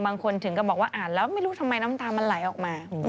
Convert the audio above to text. บางคนถึงก็บอกว่าอ่านแล้วไม่รู้ทำไมน้ำตามันไหลออกมา